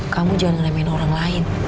kamu jangan ngamen orang lain